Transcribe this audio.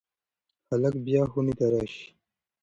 هلک به بیا خونې ته راشي.